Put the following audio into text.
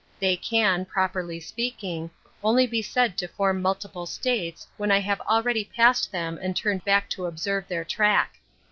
They can, properly speaking, only be said to form multiple states when I have already passed them and turn back to ob serve their track.